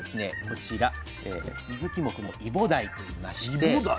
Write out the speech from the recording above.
こちらスズキ目のイボダイといいまして。